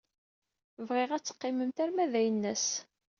Bɣiɣ ad teqqimemt arma d aynas.